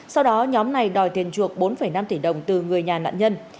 sau đó nhóm này đòi tiền chuộc bốn năm tỷ đồng từ người nhà nạn nhân